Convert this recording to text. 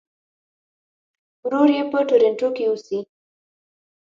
ورور یې په ټورنټو کې اوسي.